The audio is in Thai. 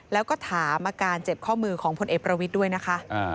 แล้วก็ถามอาการเจ็บข้อมือของพลเอกประวิทย์ด้วยนะคะ